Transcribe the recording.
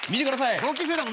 同級生だもんね。